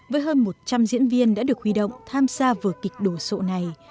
với hơn một trăm linh diễn viên đã được huy động tham gia vở kịch đồ sộ này